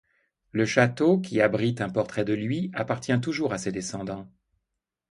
Le château, qui abrite un portrait de lui, appartient toujours à ses descendants.